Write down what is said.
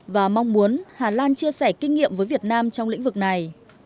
và mong muốn hà lan chia sẻ kinh nghiệm với việt nam trong lĩnh vực này